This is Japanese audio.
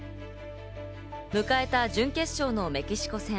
迎えた準決勝のメキシコ戦。